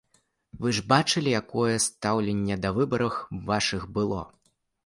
Вы ж бачылі, якое стаўленне да выбараў вашых было.